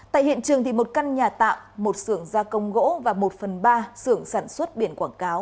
tại hiện trường một căn nhà tạm một xưởng gia công gỗ và một phần ba xưởng sản xuất biển quảng cáo